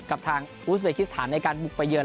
กับทางอูสเบคิสถานในการบุกไปเยือน